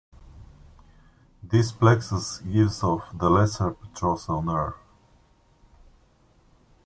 This plexus gives off the lesser petrosal nerve.